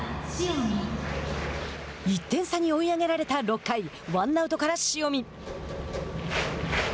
１点差に追い上げられた６回ワンアウトから塩見。